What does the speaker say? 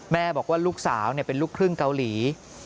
แม่บอกว่าลูกสาวเป็นลูกครึ่งเกาหลี